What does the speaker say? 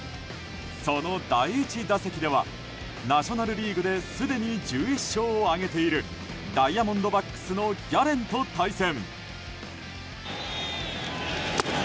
その第１打席ではナショナル・リーグですでに１１勝を挙げているダイヤモンドバックスのギャレンと対戦。